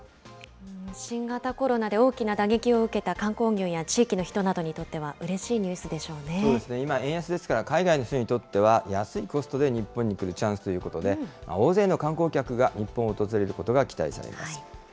新型コロナで大きな打撃を受けた観光業や地域の人などにとってはそうですね、今、円安ですから、海外の人にとっては、安いコストで日本に来るチャンスということで、大勢の観光客が日本を訪れることが期待されます。